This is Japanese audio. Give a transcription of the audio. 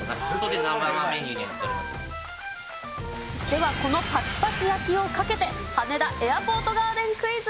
ナンバではこのパチパチ焼をかけて、羽田エアポートガーデンクイズ。